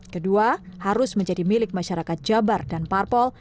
kedua harus menjadi milik masyarakat jabar dan parpol